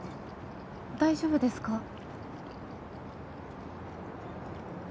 大丈夫ですか？